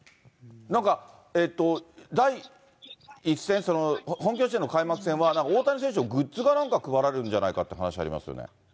なんか第１戦、本拠地での開幕戦は、大谷選手のグッズが何か配られるんじゃないかって話ありますよね。